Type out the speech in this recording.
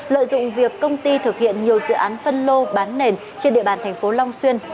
lợi dụng việc công ty thực hiện nhiều dự án phân lô bán nền trên địa bàn thành phố long xuyên